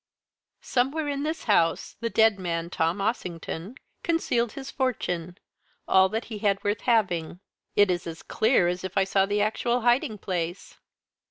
"Somewhere in this house, the dead man, Tom Ossington, concealed his fortune, all that he had worth having. It is as clear as if I saw the actual hiding place."